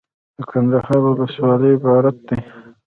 دکندهار ولسوالۍ عبارت دي.